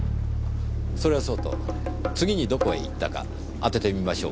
それはそうと次にどこへ行ったか当ててみましょうか。